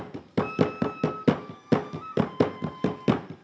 ketika sekadarnya men bezanya nogak mengesik